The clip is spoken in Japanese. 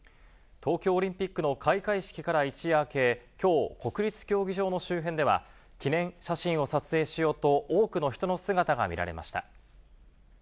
東京オリンピックの開会式から一夜明け、きょう、国立競技場の周辺では、記念写真を撮影しようと、多くの人の姿が見られました。